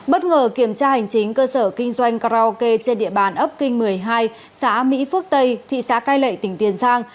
bất ngờ kiểm tra hành chính cơ sở kinh doanh karaoke trên địa bàn ấp kinh một mươi hai xã mỹ phước tây thị xã cai lệ tỉnh tiền giang